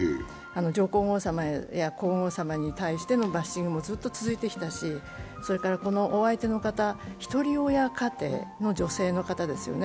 上皇后さまや皇后さまに対してのバッシングもずっと続いてきたし、それからお相手の方、ひとり親家庭の女性の方ですよね。